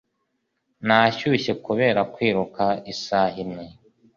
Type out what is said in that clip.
Nashyushye kubera kwiruka isaha imwe.